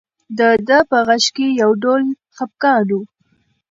د ده په غږ کې یو ډول خپګان و.